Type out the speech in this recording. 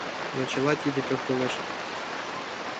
Но чыла тиде пӧртылеш.